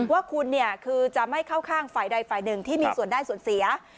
ว่าคุณคือจะไม่เข้าข้างฝ่ายใดฝ่ายหนึ่งที่มีส่วนได้ส่วนเสีย